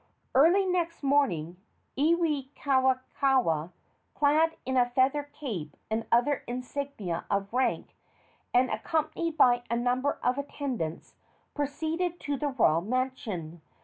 Early next morning Iwikauikaua, clad in a feather cape and other insignia of rank, and accompanied by a number of attendants, proceeded to the royal mansion.